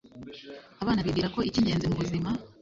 abana bibwira ko icyingenzi mu buzima